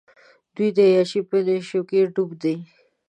دوۍ د عیاشۍ په نېشوکې ډوب دي.